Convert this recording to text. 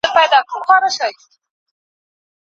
د انټرنیټ لاسرسی د کلتور لپاره مثبت تاثیر لري.